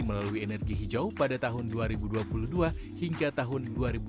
melalui energi hijau pada tahun dua ribu dua puluh dua hingga tahun dua ribu dua puluh